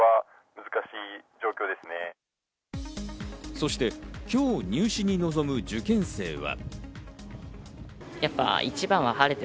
そして今日、入試に臨む受験生は。